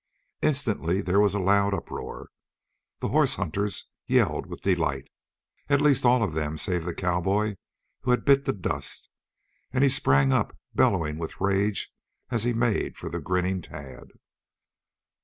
Instantly there was a loud uproar. The horse hunters yelled with delight; at least all of them save the cowboy who had bit the dust, and he sprang up, bellowing with rage, as he made for the grinning Tad.